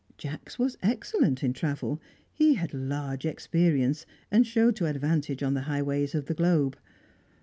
Jacks was excellent in travel; he had large experience, and showed to advantage on the highways of the globe.